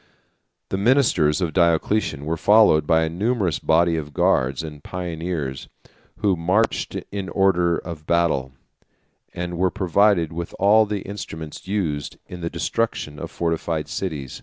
The ministers of Diocletian were followed by a numerous body of guards and pioneers, who marched in order of battle, and were provided with all the instruments used in the destruction of fortified cities.